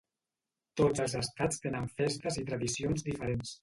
Tots els estats tenen festes i tradicions diferents.